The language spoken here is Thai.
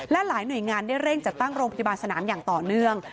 และหลายหน่วยงานได้เร่งจัดตั้งโรงพยาบาลสนามอย่างต่อเนื่อง